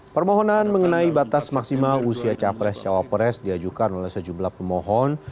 permohonan mengenai batas maksimal usia capres cawapres diajukan oleh sejumlah pemohon